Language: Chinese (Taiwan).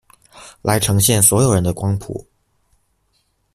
來呈現所有人的光譜